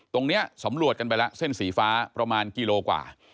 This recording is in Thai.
ตรงนี้สำรวจกันไปแล้วเส้นสีฟ้าประมาณกิโลกว่า